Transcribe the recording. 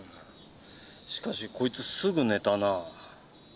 しかしこいつすぐ寝たな。